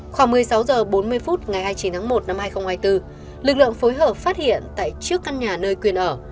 khoảng một mươi sáu h bốn mươi phút ngày hai mươi chín tháng một năm hai nghìn hai mươi bốn lực lượng phối hợp phát hiện tại trước căn nhà nơi quyền ở